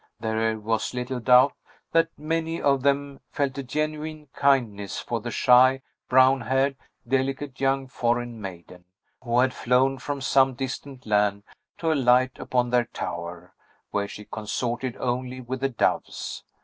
There was little doubt that many of them felt a genuine kindness for the shy, brown haired, delicate young foreign maiden, who had flown from some distant land to alight upon their tower, where she consorted only with the doves.